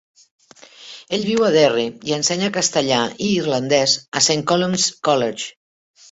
Ell viu a Derry i ensenya castellà i irlandès a Saint Columb's College.